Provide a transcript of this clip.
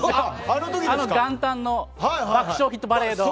あの元旦の「爆笑ヒットパレード」。